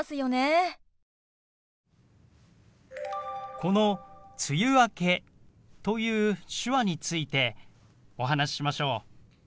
この「梅雨明け」という手話についてお話ししましょう。